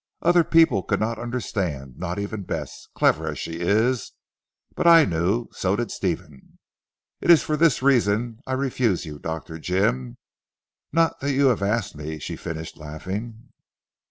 Other people could not understand, not even Bess, clever as she is, but I knew, so did Stephen. It is for this reason I refuse you Dr. Jim. Not that you have asked me," she finished laughing.